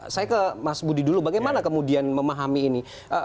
saya ke mas budi dulu bagaimana kemudian memahami ini